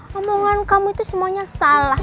omongan kamu itu semuanya salah